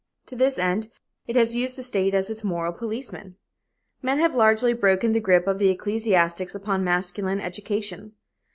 To this end it has used the state as its moral policeman. Men have largely broken the grip of the ecclesiastics upon masculine education.